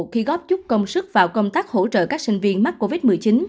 khi góp chút công sức vào công tác hỗ trợ các sinh viên mắc covid một mươi chín